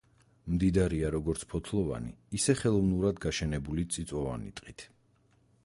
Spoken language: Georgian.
მდიდარია როგორც ფოთლოვანი, ისე ხელოვნურად გაშენებული წიწვოვანი ტყით.